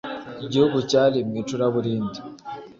Igihugu cyari mu icuraburindi.